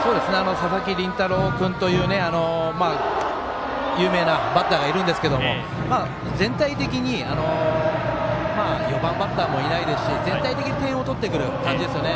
佐々木麟太郎君という有名なバッターがいるんですけども４番バッターもいないですし全体的に点を取ってくる印象ですよね。